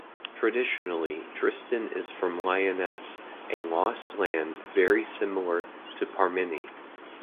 Traditionally, Tristan is from Lyonesse, a lost land very similar to Parmenie.